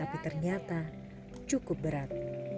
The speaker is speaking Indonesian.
ambil semua ya mbak